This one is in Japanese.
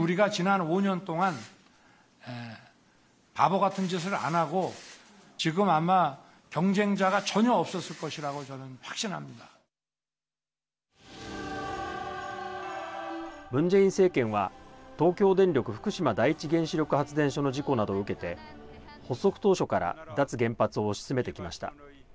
ムン・ジェイン政権は東京電力福島第一原子力発電所の事故などを受けて発足当初から脱原発を推し進めてきました。